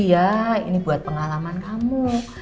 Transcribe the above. iya ini buat pengalaman kamu